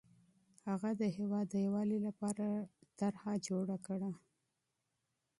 هغه د هېواد د یووالي لپاره پلان جوړ کړ.